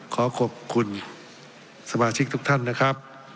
ขอขอบคุณสมาชิกทุกท่านนะครับ